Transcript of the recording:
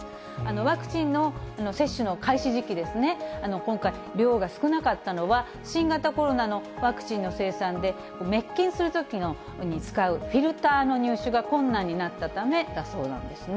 ワクチンの接種の開始時期ですね、今回、量が少なかったのは、新型コロナのワクチンの生産で、滅菌するときに使うフィルターの入手が困難になったためだそうなんですね。